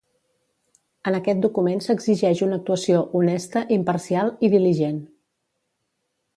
En aquest document s'exigeix una actuació "honesta, imparcial i diligent".